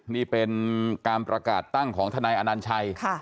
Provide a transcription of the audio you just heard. นี่เป็นการประกาศตั้งของทนายอนัญชัย